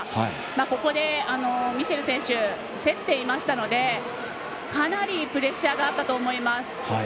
ここで、ミシェル選手競っていましたのでかなりプレッシャーがあったと思います。